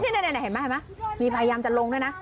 นี่เห็นไหมมีพยายามจะลงด้วยนะ